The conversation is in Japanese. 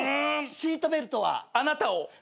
シートベルトは。あなたを。